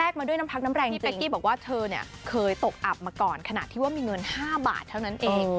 ขนาดที่ว่ามีเงิน๕บาทเท่านั้นเอง